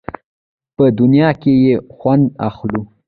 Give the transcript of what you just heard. په دنیا کې یې خوند اخلو.